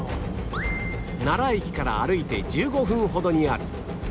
奈良駅から歩いて１５分ほどにある